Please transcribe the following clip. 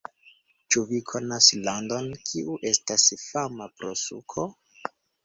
Ĉu vi konas landon, kiu estas fama pro suko?